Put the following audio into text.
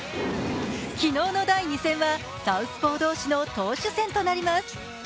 昨日の第２戦はサウスポー同士の投手戦となります。